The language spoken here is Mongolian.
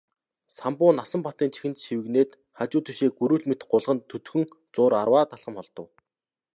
Самбуу Насанбатын чихэнд шивгэнээд хажуу тийшээ гүрвэл мэт гулган төдхөн зуур арваад алхам холдов.